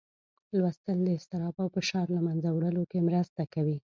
لوستل د اضطراب او فشار له منځه وړلو کې مرسته کوي.